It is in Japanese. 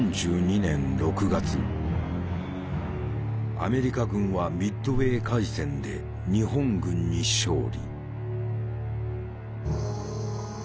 アメリカ軍はミッドウェー海戦で日本軍に勝利。